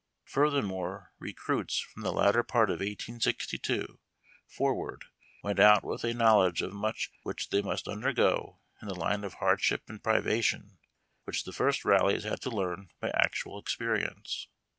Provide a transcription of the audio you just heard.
Furthermore, recruits from the latter part of 1862 forward went out with a knowledge of much which they must undergo in the line of hardship and privation, which the first rallies had to learn by actual experience.